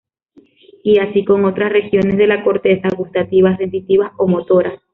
Y así con otras regiones de la corteza: gustativas, sensitivas o motoras.